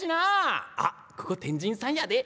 あっここ天神さんやで。